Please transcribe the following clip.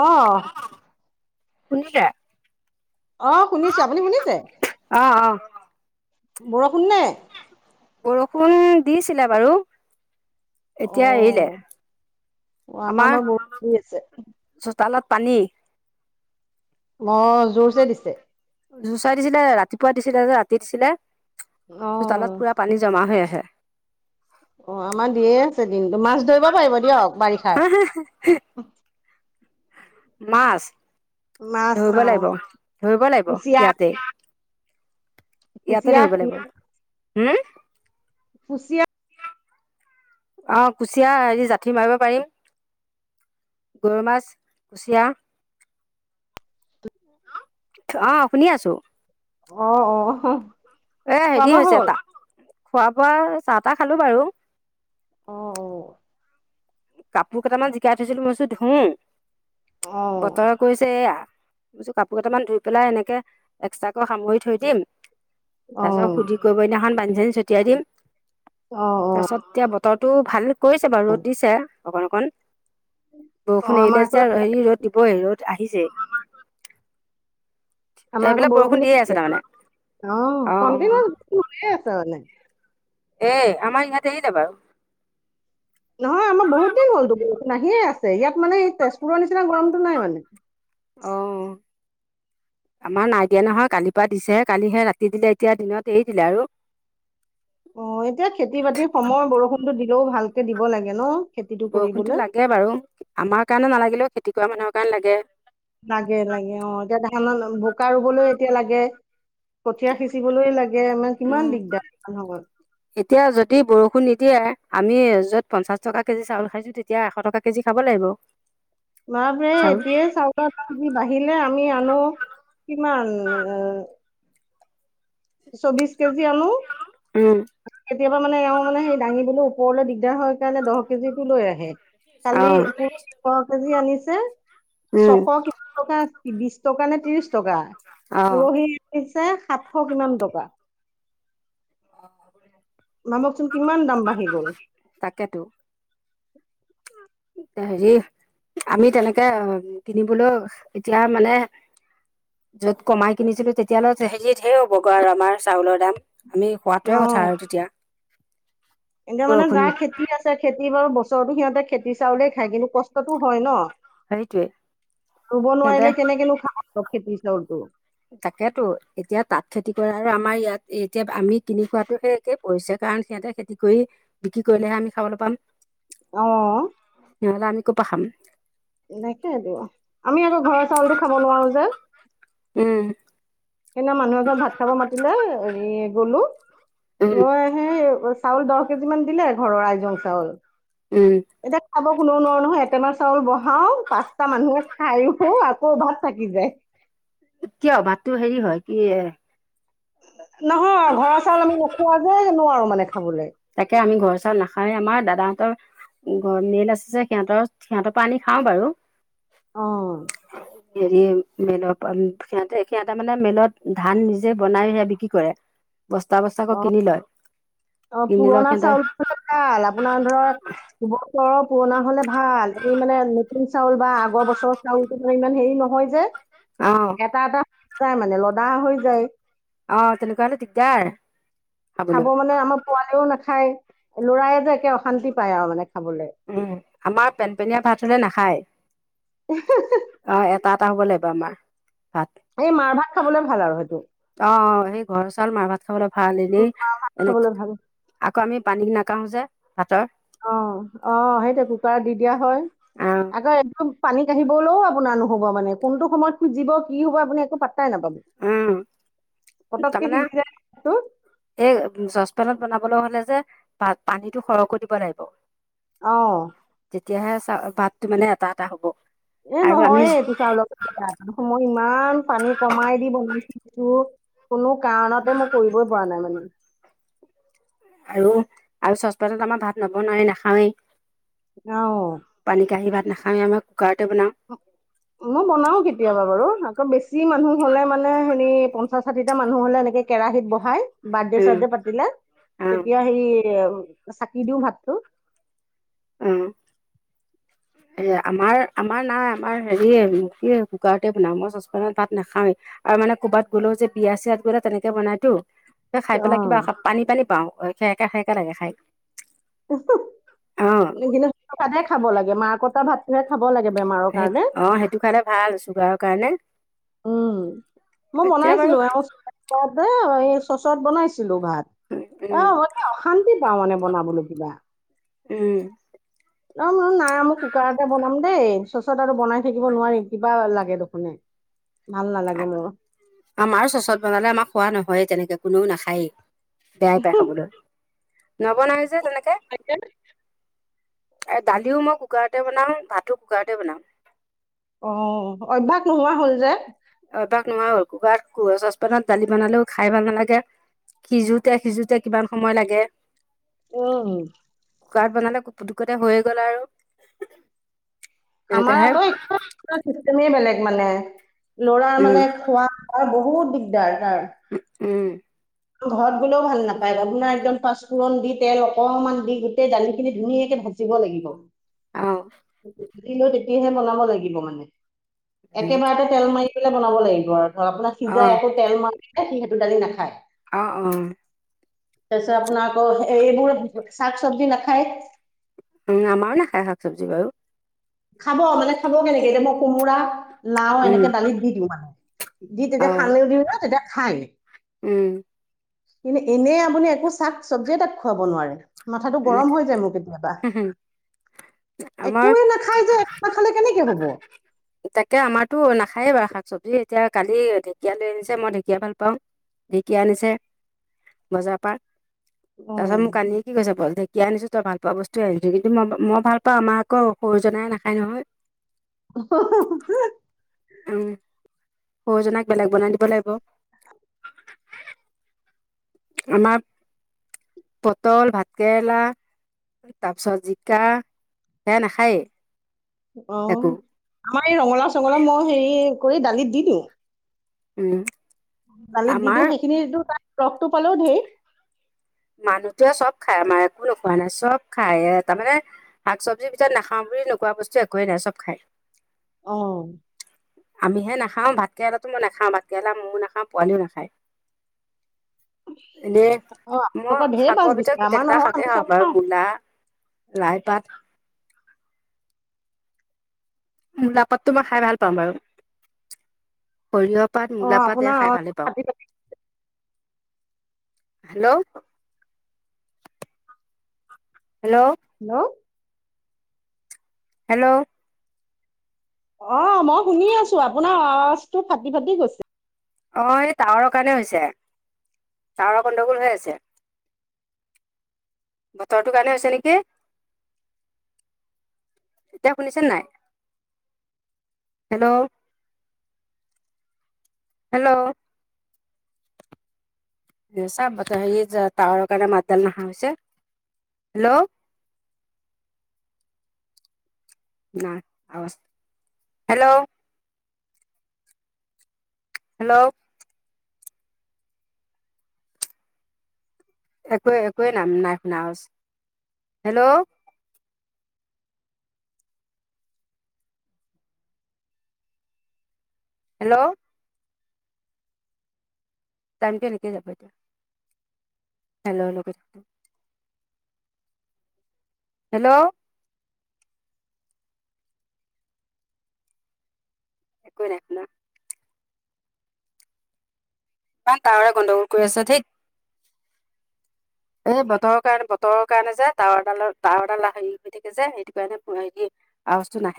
অহ, শুনিছে। অ', শুনিছো আপুনি শুনিছে? অ', অ, বৰষুণ নে? বৰষুণ দিছিলে বাৰু, এতিয়া এৰিলে। অ', আমাৰ বাৰু বয়ষুণ পৰি আছে। চোতালত পানী। মই জোৰচে দিছে। জুচাই দিছিলে ৰাতিপুৱা দিছিলে ৰাতি দিছিলে। অহ চোতালত পুৰা পানী জমা হৈ আহে। অ', আমাৰ দিয়েই আছে দিনতো। মাছ ধৰিব পাৰিব দিয়ক বাৰিষাৰ। হ মাছ, মাছ ধৰিব অ লাগিব ধৰিব লাগিব কুচিয়া ইয়াতেই। ইয়াতেই কুচিয়া ধৰিব লাগিব। হম, কুচিয়া অ, কুচিয়াৰ হেৰি জাঠি মাৰিব পাৰিম। গৰৈ মাছ, কুচিয়া। অ', শুনি আছো। অ', অ, অহা। এই হেৰি হৈছে তা, খোৱা বোৱা চাহ তাহ খালো বাৰু। অ', অ, কাপোৰ কেইটামান জিকাই থৈছিলো, মইছো ধুও অ বতৰ কৰিছে এয়া, বুজিছো কাপোৰ কেইটামান ধুই পেলাই এনেকে এক্সট্ৰাকৈ সামৰি থৈ দিম। অ তাৰছত সুধি কৰিব দিনাখন পানী চানি ছটিয়াই দিম। অ অ তাৰপাছত এতিয়া বতৰটো ভাল কৰিছে বাৰু, ৰ'দ দিছে, অকন অকণ। অ বৰষুণ আমাৰ এৰিলে আকৌ যেতিয়া হেৰি ৰ'দ দিবই, ৰ'দ আহিছে। আমাৰ এইফালে আকৌ বৰষুণ দিয়ে বৰষুনেই দি আছে। তাৰমানে অ', অ অ কণ্টিনুৱাছ বৰষুণ হৈয়েই আছে মানে। এই, আমাৰ ইয়াত এৰিলে বাৰু। নহয়, আমাৰ বহুত দিন হ'লতো। বৰষুণ আহিয়েই আছে, ইয়াত মানে তেজপুৰৰ নিচিনা গৰমটো নাই মানে। অ [inaudible] আমাৰ নাই দিয়া নহয়, কালিৰ পৰা দিছেহে, কালি সেই ৰাতি দিলে এতিয়া দিনত এৰি দিলে আৰু। অ', এতিয়া খেতি বাতিৰ সময়, বৰষুণতো দিলেও ভালকে দিব লাগে ন! খেতিটো বৰষুণতো কৰিবলৈ লাগে বাৰু, আমাৰ কাৰণে নালাগিলেও খেতি কৰা মানুহৰ কাৰণে লাগে। লাগে, লাগে, অ। এতিয়া ধান, বোকা ৰুবলৈ এতিয়া লাগে। কঠীয়া সিঁচিবলৈ লাগে, মানে কিমান উম দিগদাৰ মানুহবোৰ এতিয়া যদি বৰষুণ নিদিয়ে, আমি য'ত পঞ্চাশ টকা কেজি চাউল খাইছো, তেতিয়া এশ টকা কেজি খাব লাগিব। [inaudible] বাপৰেই চাউল এতিয়াই চাউল দাম যি বাঢ়িলে, আমি আনো, কিমান এ চৌবিচ কেজি আনো কেতিয়াবা মানে এওঁ মানে সেই দাঙিবলৈ ওপৰলৈ দিগদাৰ হয় কাৰণে দহ কেজিটো লৈ আহে। কালি [unintelligible] কেজি আনিছে, উম অ উম ছশ কিমান টকা বিশ টকা নে ত্ৰিশ টকা। অ পৰহি আনিছে, সাতশ কিমান টকা। অ [unintelligible] ভাবকচোন, কিমান দাম বাঢ়ি গ'ল! তাকেতো। হেৰি, আমি তেনেকে কিনিবলৈও এতিয়া মানে য'ত কমাই কিনিছিলো, তেতিয়াহ'লে হেৰি ঢেৰ হ'বগৈ আৰু আমাৰ চাউলৰ দাম। আমি খোৱাটোৱে অ কথা আৰু তেতিয়া। এনেও মানে বৰষুণ যাৰ খেতি আছে, খেতি বাৰু বছৰতো সিহঁতে খেতি চাউলে খায়। কিন্তু কষ্টটো হয় ন! হেৰিটোৱে ৰুব সিহঁতে নোৱাৰিলে কেনেকেনো খা [unintelligible] খেতি চাউলটো? তাকেতো, এতিয়া তাত খেতি কৰা আৰু আমাৰ ইয়াত এতিয়া আমি কিনি খোৱাতো সেই কেই পৰিছে। কাৰণ, সিহঁতে খেতি কৰি বিক্ৰী কৰিলেহে আমি খাবলৈ পাম। অ। নহ'লে আমি ক'ৰ পা খাম? নাখাই টো, আমি আকৌ ঘৰৰ চাউলটো খাব নোৱাৰো যে। উম সেইদিনা মানুহৰ ঘৰত ভাত খাব মাতিলে, হেৰি গ'লো। উম গৈ হেই, চাউল দহ কেজি মান দিলে, ঘৰৰ আইজং চাউল। উম এতিয়া, খাব কোনেও নোৱাৰো নহয়। এটেমা চাউল বহাও, পাঁচটা মানুহে খাইও আকৌ ভাত থাকি যায়। কিয়? ভাততো হেৰি হয় কি এ নহয়, ঘৰৰ চাউল আমি নোখোৱা যে - নোৱাৰো মানে খাবলৈ। তাকে আমি ঘৰৰ চাউল নাখাওঁৱে, আমাৰ দাদাহঁতৰ ঘৰত মিল আছে যে, সিহঁতৰ, সিহঁতৰ পৰা আনি খাওঁ বাৰু। অ। হেৰি মিলৰ পৰ, সিহঁতে, সিহঁতে মানে মিলত ধান নিজে বনাই সেয়া বিক্ৰী কৰে। [inaudible] বস্তা বস্তাকৈ অ কিনি লয়। অ কিনি লয় পুৰণা সিহঁতে চাউল হ'লে ভাল। আপোনাৰ ধৰক, দুবছৰৰ পুৰণা হ'লে ভাল। সেইখিনি মানে তুন চাউল বা আগৰ বছৰৰ চাউলটো মানে ইমান হেৰি নহয় যে, অ'। এটা এটা হৈ যায় মানে লদা হৈ যায়। অ' তেনেকা হ'লে দিগদাৰ। খাব খাবলৈ মানে আমাৰ পোৱালিও নাখায় ল'ৰায়ে যে একে অশান্তি পায় আৰু মানে খাবলৈ উম, আমাৰ পেনপেনীয়া ভাত হ'লে নাখায়। অ' এটা এটা হ'ব লাগিব আমাৰ ভাত। এই মাৰ ভাত খাবলে ভাল আৰু সেইটো। অ' সেই ঘৰৰ চাউল মাৰ ভাত খাবলৈ ভাল এনে খাবলৈ এনেকে ভাল আকৌ আমি পানী নাকাওঁ যে ভাতৰ। অ', অ' সেইটো কুকাৰত দি দিয়া হয়, অ আকৌ একদম পানী কাঢ়িবলৈও আপোনাৰ নহ'ব মানে কোনটো সময়ত খুজিব কি হ'ব আপুনি একো পাত্তাই নাপাব। উম, পটককে তাৰমানে সিজি যায় ভাতটো এই চচপেনত বনাবলৈ হলে যে ভাত পানীটো সৰহকৈ দিব লাগিব। অ'। তেতিয়াহে চা ভাতটো মানে এটা এটা হ'ব। এ আৰু আমি নহয়ে এইটো চাউলক সময় ইমান পানী কমাই দি বনাইছিলোঁ। কোনো কাৰণতে মই কৰিবই পৰা নাই মানে। আৰু আৰু চচপেনত আমাৰ ভাত নবনাই নাখাওৱেই। অহ। পানী কাঁহী ভাত নাখাওঁ আমি কুকাৰতে বনাওঁ। অ'। মই বনাও কেতিয়াবা বাৰু আকৌ বেছি মানুহ হলে মানে হেৰি পঞ্চাশ ষাঠিটা মানুহ হলে এনেকে কেৰাহীত বহাই বাৰ্থডে চাৰ্থডে পাতিলে অঁ তেতিয়া সেই চাকি দিও ভাতটো। উম। এ আমাৰ আমাৰ নাই আমাৰ হেৰি কি কুকাৰতে বনাওঁ মই চচপেনত ভাত নাখাওৱেই। আৰু মানে ক'ৰবাত গ'লেও যে বিয়া চিয়াত গ'লে তেনেকে বনাইতো। খাই পেলাই অঁ কিবা পানী পানী পাও সেৰেকা সেৰেকা লাগে খাই। অঁ কিন্তু খাব লাগে মাক কত ভাতটোহে খাব লাগে বেমাৰৰ কাৰণে। অ' সেইটো খালে ভাল ছুগাৰৰ কাৰণে। উম, মই এতিয়া বাৰু বনাইছিলো এওঁ [unintelligible] এই চচত বনাইছিলোঁ ভাত। অহ উম, মানে অশান্তি পাও মানে বনাবলৈ কিবা। উম। অ' ম নাই মই কুকাৰতে বনাম দেই চচত আৰু বনাই থাকিব নোৱাৰিম কিবা লাগে দেখোন। ভাল নালাগে মোৰ। আমাৰ চচত বনালে আমাক খোৱা নহয়েই তেনেকে কোনেও নাখায়েই। বেয়াই পাই খাবলৈ, নবনাই যে তেনেকে। [unintelligible] দালিও মই কুকাৰতে বনাওঁ ভাতো কুকাৰতে বনাওঁ। অ' অভ্যাস নোহোৱা হ'ল যে। অভ্যাস নোহোৱা হ'ল কুকাৰ চচপেনত দালি বনালেও খাই ভাল নালাগে। সিজোতে সিজোতে কিমান সময় লাগে। উম। কুকাৰত বনালে কু পুটুকতে হৈয় গ'ল আৰু। আমাৰ এনেকুৱাহে আকৌ [unintelligible] চিষ্টেমে বেলেগ মানে লৰাৰ উম মানে খোৱা। তাৰ বহুত দিগদাৰ তাৰ। উ উম। ঘৰত কোনেও ভাল নাপায় বপোনাৰ একদম পাঁচফোৰণ দি তেল অকনমান দি গোটেই দালি খিনি ধুনীয়াকে ভাজি দিব লাগিব অ', দিলো তেতিয়াহে বনাব লাগিব মানে উম একেবাৰতে তেল মাৰি পেলাই বনাব লাগিব আৰু আপোনাৰ অ সিজাই আকৌ তেল মাৰিলে সি সেইটো দালি নাখায়। অ', অ' তাৰপাছত আপোনাৰ আকৌ এইবোৰোৰ শাক চব্জি নাখায় উম আমাৰো নাখাই শাক চব্জি বাৰু খাব মানে খাব কেনেকে মই কোমোৰা লাও উম এনেকে দালিত দি দিওঁ মানে দি অ তেতিয়া খালি দিওঁ ন তেতিয়া খায়। উম কিন্তু এনে আপুনি একো শাক চব্জিয়ে তাক খুৱাব নোৱাৰে মাথাটো গৰম হৈ যায় মোৰ কেতিয়াবা আমাৰ একোয়ে না খাই যে একটা খালে কেনেকে হব তাকে আমাৰতো নাখায়ে বাৰু শাক চবজি এতিয়া কালি ঢেকীয়া লৈ আনিছে মই ঢেকীয়া ভাল পাওঁ ঢেঁকীয়া আনিছে বজাৰ পৰা অ তাৰ পিছত মোক আনিয়ে কি কৈছে ঢেঁকীয়া আনিছোঁ তই ভাল পোৱা বস্তু আনিছো কিন্তু মই ভ পাওঁ আমাৰ আকৌ সৰু জনাই নাখায় নহয় [inaudible] উম সৰুজনাক বেলেগ বনাই দিব লাগিব আমাৰ পটল, ভাত কেৰেলা তাৰপিছত জিকা সেয়াই নাখায়েই একো অ', আমাৰ এই ৰঙালা চঙলা মই হেৰি কৰি দালিত দি দিওঁ উম দালিত দি আমাৰ দিওঁ সেইখিনি তাৰ ৰসটো পালেও ঢেৰ মানুহটোৱে চব খাই আমাৰ একোনো খোৱা নাই চব খায়ে তাৰমানে শাক চব্জিৰ ভিতৰত নাখাওঁ বুলি নোোৱা বস্তু একোৱেই নাই চব খাই অ', আমি হে নাখাওঁ ভাত কেৰেলা মই নাখাওঁ ভাতকেৰেলা ময়ো নাখাও পোৱালীও নাখায় এনে অ', মই আপোনালোকৰ ঢেৰ মাছ শাকৰ ভিতৰত বিচাৰে গোটেই আমাৰ কেইটা নহয় আমি শাকেই চব খাব পাৰোঁ খাওঁ। মূলা লাইপাত মূলাপাতটো মই খাই ভাল পাওঁ বাৰু সৰিয়হ পাত মূলা অ', পাত এয়া আপোনাৰ খাই আৱাজটো ভালেই পাওঁ ফাটি ফাটি হেল্ল' হেল্ল' হেল্লো হেল্ল' অ', মই শুনি আছো আপোনাৰ আজটো ফাটি ফাটি গৈছে অ', এই টাৱাৰৰ কাৰণে হৈছে টাৱাৰৰ গণ্ডগোল হৈ আছে বতৰটো কানি আছে নেকি? এতিয়া শুনিছে নাই হেল্ল' হেল্ল' চা টাৱাৰৰ কাৰণে মাতডাল নহা হৈছে হেল্ল' হেল্ল হেল্ল' একোৱে একোৱে নাম নাই শুনা আৱাচ হেল্ল' হেল্ল' টমটো এনেকে যাব এতিয়া হেল্ল হেল্ল কৰি থাকোঁতে হেল্ল' একোৱে নাই শুনা ইমান টাৱাৰে গণ্ডগোল কৰি আছে ধেৎ। এই বতৰৰ কাৰণে, বতৰৰ কাৰণে যে টাৱাৰডালৰ টাৱাৰ ডাল হেৰি হৈ থাকে যে সেইটো কাৰণে হেৰি আওৱাজতো নাহে।